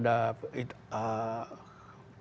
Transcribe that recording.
tidak turunnya kualitas demokrasi